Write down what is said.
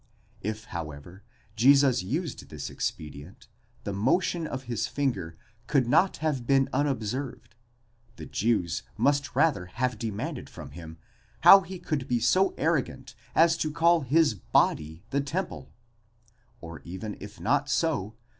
If, however, ; Jesus used this expedient, the motion of his finger could not have been un observed ; the Jews must rather have demanded from him how he could be 80 arrogant as to call his body the temple, ναὸς; or even if not so, still, pre 5 Paulus, ut sup.